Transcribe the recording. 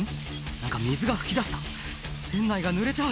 何か水が噴き出した船内がぬれちゃう」